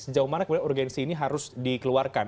sejauh mana kemudian urgensi ini harus dikeluarkan